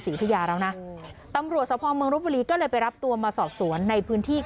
อุทยาแล้วนะตำรวจสภเมืองรบบุรีก็เลยไปรับตัวมาสอบสวนในพื้นที่